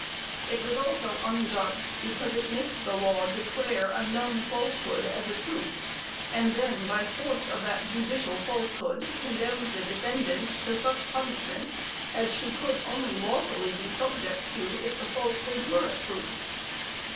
It was also unjust, because it makes the law declare a known falsehood as a truth, and then by force of that judicial falsehood condemns the defendant to such punishment as she could only lawfully be subject to, if the falsehood were a truth.